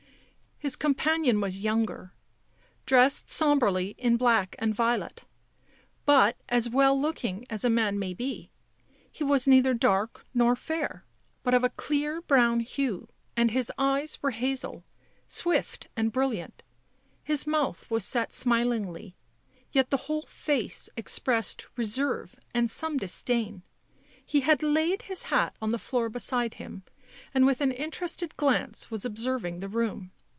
His companion was younger ; dressed sombrely in black and violet, but as well looking as a man may be ; he was neither dark nor fair, but of a clear brown hue, and his eyes were hazel, swift and brilliant ; his mouth was set smilingly, yet the whole face expressed reserve and some disdain ; he had laid his hat on the floor beside him, and with an interested glance was observing the room.